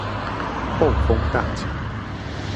後豐大橋